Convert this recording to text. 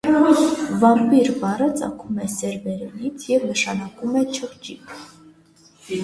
«Վամպիր» բառը ծագում է սերբերենից և նշանակում է չղջիկ։